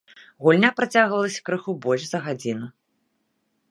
Гульня працягвалася крыху больш за гадзіну.